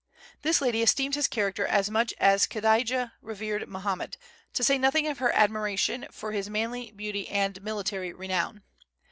This lady esteemed his character as much as Kadijah revered Mohammed, to say nothing of her admiration for his manly beauty and military renown.